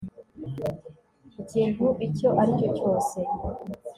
ikintu icyo ari cyo cyose